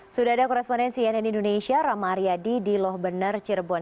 sudah ada korespondensi yang ada di indonesia rama aryadi di loh bener cirebon